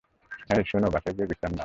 হেই শোনো, বাসায় গিয়ে বিশ্রাম নাও।